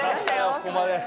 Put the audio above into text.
ここまで。